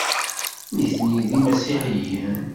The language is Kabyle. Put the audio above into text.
Nitni d imasiḥiyen.